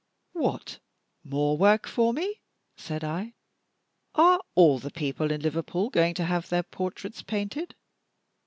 "What, more work for me?" said I; "are all the people in Liverpool going to have their portraits painted?"